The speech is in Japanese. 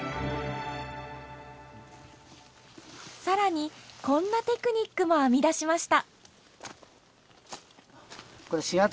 更にこんなテクニックも編み出しました。